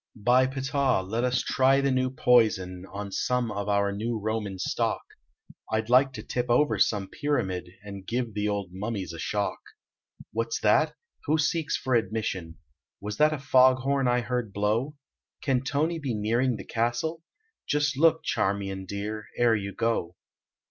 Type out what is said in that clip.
By Ptluih ! let us try the new poison On some of our new Roman stock. I d like to tip over some pyramid And give the old mummies a shock. What s that? Who seeks for admission ? Was that a fog horn I heard blow ? Can Tony be Hearing the castle ? Just look, Charmion dear, ere you go.